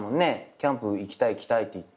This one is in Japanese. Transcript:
キャンプ行きたい行きたいって言ってて。